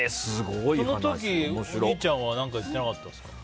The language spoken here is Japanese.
その時、お兄ちゃんは何か言っていなかったですか？